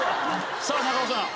さあ中尾さん。